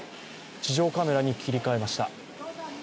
地上カメラに切り替えました。